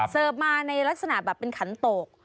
เสิร์ฟมาในลักษณะแบบเป็นขันโต๊ก